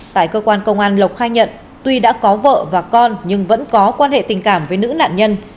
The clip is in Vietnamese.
tại cơ quan công an lộc khai nhận tuy đã có vợ và con nhưng vẫn có quan hệ tình cảm với nữ nạn nhân